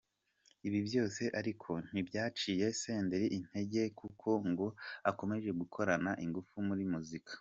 Ibi byose ariko, ntibyaciye Senderi integer kuko ngo akomeje gukorana ingufu muri muzika.